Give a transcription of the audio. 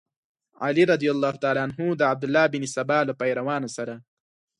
علي رض د عبدالله بن سبا له پیروانو سره.